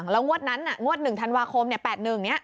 แล้วงวดนั้นงวด๑ธันวาคม๘๑นี้